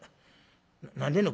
何でんの？